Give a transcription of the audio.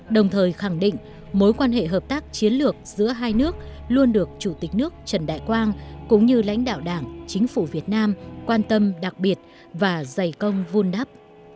đồng thời khẳng định mối quan hệ hợp tác chiến lược giữa hai nước luôn được chủ tịch nước trần đại quang cũng như lãnh đạo đảng chính phủ việt nam quan tâm đặc biệt và dày công vun đắp